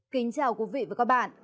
kính chào quý vị và các bạn